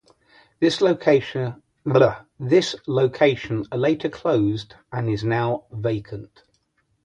This location later closed and is now vacant.